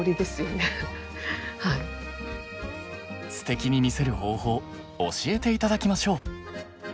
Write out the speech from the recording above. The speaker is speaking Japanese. ステキに見せる方法教えて頂きましょう。